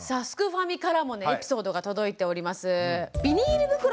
ファミからもねエピソードが届いております。